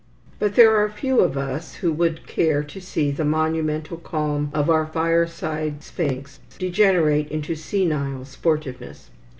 But there are few of us who would care to see the monumental calm of our fireside sphinx degenerate into senile sportiveness.